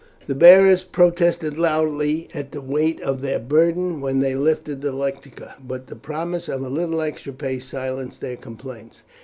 The bearers protested loudly at the weight of their burden when they lifted the lectica, but the promise of a little extra pay silenced their complaints.